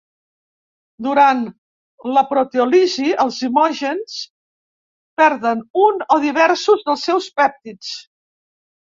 Durant la proteòlisi, els zimògens perden un o diversos dels seus pèptids.